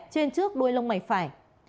bên trước đuôi lông mảnh phải